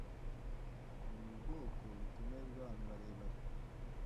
ni ubwoko bukomeye bw‘abantu barebare